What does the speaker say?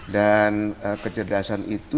dan kecerdasan itu